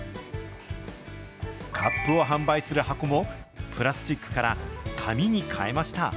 カップを販売する箱も、プラスチックから紙に変えました。